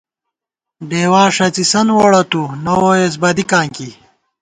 ڈېوا ݭَڅِسن ووڑہ تُو ، نہ ووئیس بَدِکاں کی